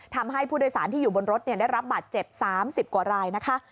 ทำให้ผู้โดยสารที่อยู่บนรถได้รับบาดเจ็บ๓๐กว่ารายนะคะ